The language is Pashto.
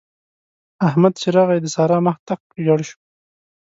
احمد چې راغی؛ د سارا مخ تک ژړ شو.